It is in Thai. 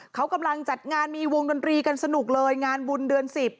เขากำลังจัดงานมีวงดนตรีกันสนุกเลยงานบุญเดือน๑๐